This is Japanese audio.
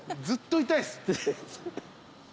ずっと痛いです。